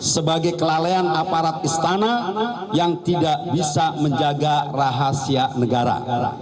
sebagai kelalaian aparat istana yang tidak bisa menjaga rahasia negara